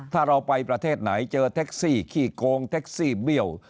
ถ้าเราไปประเทศไหนเจอแท็กซี่ขี้โกงเท็กซี่เบี้ยว